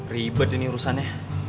ribet ini urusannya